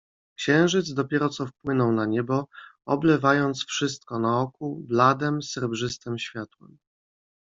"Księżyc dopiero co wypłynął na niebo, oblewając wszystko naokół bladem, srebrzystem światłem."